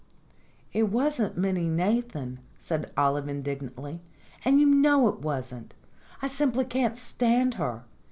"It wasn't Minnie Nathan," said Olive indignantly, "and you know it wasn't. I simply can't stand her.